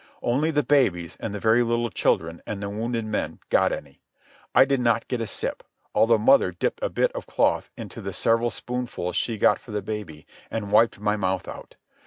Only the babies, and the very little children, and the wounded men, got any. I did not get a sip, although mother dipped a bit of cloth into the several spoonfuls she got for the baby and wiped my mouth out.